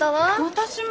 私も！